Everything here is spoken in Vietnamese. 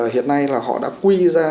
hiện nay là họ đã quy ra